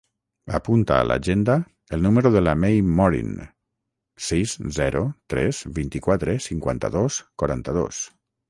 Apunta a l'agenda el número de la Mei Morin: sis, zero, tres, vint-i-quatre, cinquanta-dos, quaranta-dos.